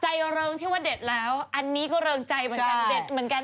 ใจเริงที่ว่าเด็ดแล้วอันนี้ก็เริงใจเหมือนกัน